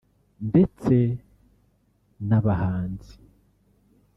ndetse n’Abahanzi